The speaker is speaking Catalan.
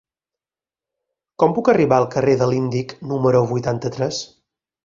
Com puc arribar al carrer de l'Índic número vuitanta-tres?